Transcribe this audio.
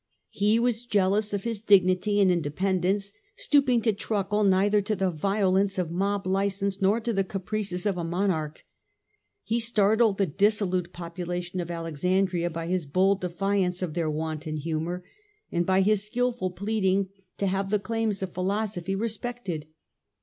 He was jealous of his dignity and independence, stooping to truckle neither to the violence of mob licence nor to the caprices of a monarch. He startled the disso lute populace of Alexandria by his bold defiance of their wanton humour, and by his skilful pleading to have the claims of philosophy respected.